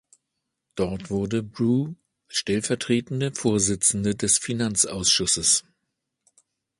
Dort wurde Bru stellvertretende Vorsitzende des Finanzausschusses.